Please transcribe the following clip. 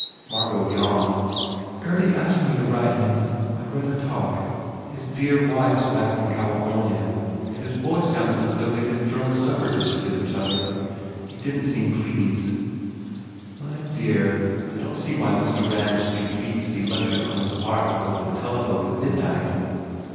Margot yawned, "Gurdy asked me to write him. I d rather talk. His dear wife s back 211 THE FAIR REWARDS from California and his voice sounded as though they d been throwing supper dishes at each other. He didn t seem pleased." "My dear, I don t see why Mr. Rand should be pleased to be lectured on his art over the tele phone at midnight